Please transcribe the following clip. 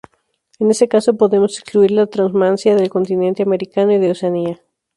En ese caso, podemos excluir la trashumancia del continente americano y de Oceanía.